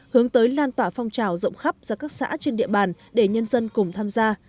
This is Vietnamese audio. hướng tới lan tỏa phong trào rộng khắp ra các xã trên địa bàn để nhân dân cùng tham gia